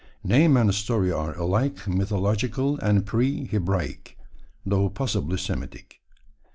Name and story are alike mythological and pre Hebraic, though possibly Semitic.